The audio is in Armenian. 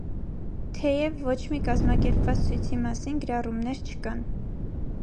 Թեև ոչ մի կազմակերպված ցույցի մասին գրառումներ չկան։